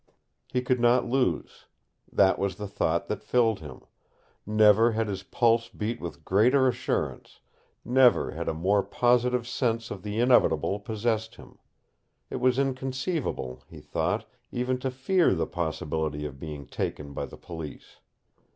He could not lose. That was the thought that filled him. Never had his pulse beat with greater assurance, never had a more positive sense of the inevitable possessed him. It was inconceivable, he thought, even to fear the possibility of being taken by the Police.